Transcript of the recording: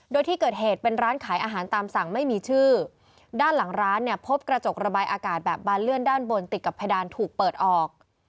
โดยที่เกิดเหตุเป็นร้านขายอาหารตามสั่งไม่มีชื่อด้านหลังร้านเนี่ยพบกระจกระบายอากาศแบบบานเลื่อนด้านบนติดกับเพดานถูกเปิดออก